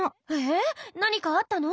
何かあったの？